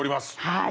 はい。